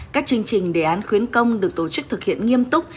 các chương trình đề án khuyến công được tổ chức thực hiện nghiêm túc